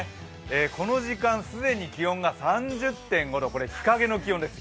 この時間既に気温が３０．５度、これ日陰の気温です。